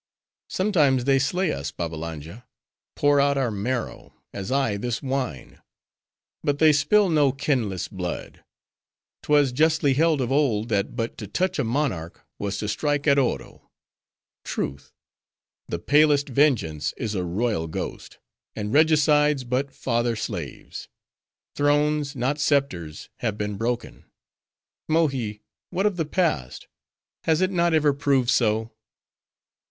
Sometimes they slay us, Babbalanja; pour out our marrow, as I this wine; but they spill no kinless blood. 'Twas justly held of old, that but to touch a monarch, was to strike at Oro.—Truth. The palest vengeance is a royal ghost; and regicides but father slaves. Thrones, not scepters, have been broken. Mohi, what of the past? Has it not ever proved so?"